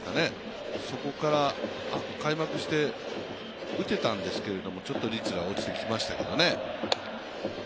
そこから開幕して、打てたんですけれどもちょっと率が落ちてきましたけどね。